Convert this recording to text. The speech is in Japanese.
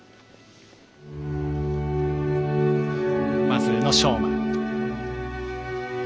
まず、宇野昌磨。